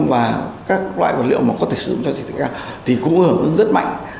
và các loại vật liệu mà có thể sử dụng cho xỉ thì cũng hưởng ứng rất mạnh